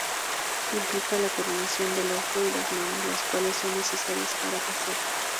Implican la coordinación del ojo y las manos las cuales son necesarias para hacer.